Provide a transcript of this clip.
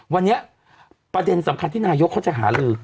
วันนี้ประเด็นสำคัญที่นายกเขาจะหาลือ